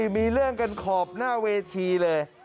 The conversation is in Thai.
มีเรื่องกันขอบหน้าเวทีเลย